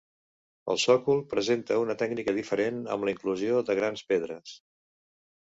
El sòcol presenta una tècnica diferent amb la inclusió de grans pedres.